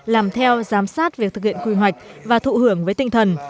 làm theo giám sát việc thực hiện quy hoạch và thụ hưởng với tinh thần